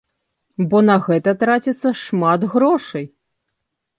Бо на гэта траціцца шмат грошай.